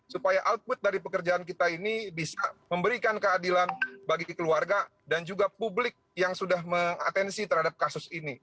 supaya output dari pekerjaan kita ini bisa memberikan keadilan bagi keluarga dan juga publik yang sudah mengatensi terhadap kasus ini